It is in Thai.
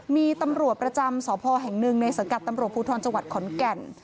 มีตำรวจประจำสพแห่งหนึ่งในสังกัดตำรวจภูทรจังหวัดขอนแก่น